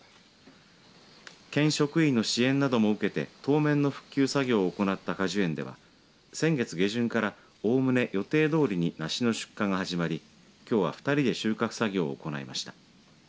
県職員の支援なども受けて当面の復旧作業を行った果樹園では先月下旬からおおむね予定どおりに梨の出荷が始まりきょうは２人で収穫作業を行いました。